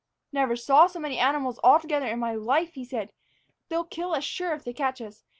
"Never saw so many animals all together in my life," he said. "They'll kill us sure if they catch us.